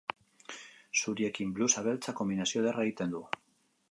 Zuriekin blusa beltzak konbinazio ederra egiten du.